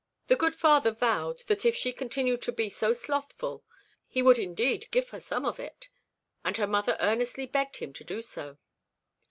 The good father vowed that if she continued to be so slothful, he would indeed give her some of it, and her mother earnestly begged him to do so.